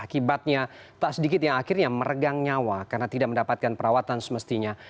akibatnya tak sedikit yang akhirnya meregang nyawa karena tidak mendapatkan perawatan semestinya